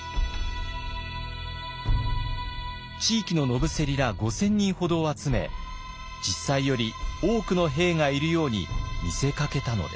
地域の野伏ら５，０００人ほどを集め実際より多くの兵がいるように見せかけたのです。